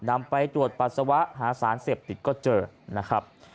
นำไปตรวจปัสสาวะหาสารเสพติดก็เจอนะครับ